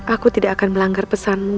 aku tidak akan melanggar pesanmu